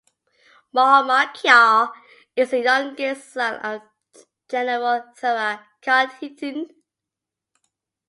Maung Maung Kyaw is the youngest son of General Thura Kyaw Htin.